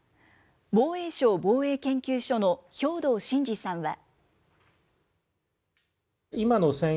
防衛省防衛研究所の兵頭慎治さんは。